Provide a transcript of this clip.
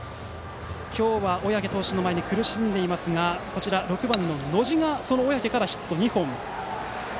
今日は小宅投手の前に苦しんでいますが、６番の野路がその小宅からヒット２本。